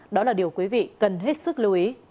đó là điều quý vị cần hết sức lưu ý